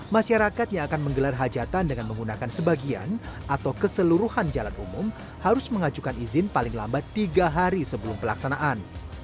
masyarakat yang akan menggelar hajatan dengan menggunakan sebagian atau keseluruhan jalan umum harus mengajukan izin paling lambat tiga hari sebelum pelaksanaan